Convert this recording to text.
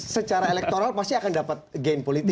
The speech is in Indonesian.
secara elektoral pasti akan dapat gain politik